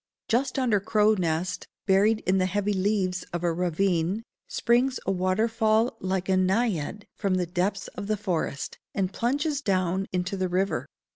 Just under Crow Nest, buried in the heavy leaves of a ravine, springs a waterfall like a Naiad from the depths of the forest, and plunges down into the river.